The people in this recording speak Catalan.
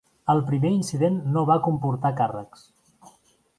El primer incident no va comportar càrrecs.